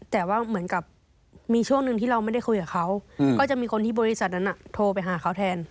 แต่ว่าเหมือนกับมีช่วงหนึ่งที่เราไม่ได้คุยกับเขาก็จะมีคนที่บริษัทนั้นโทรไปหาเขาแทน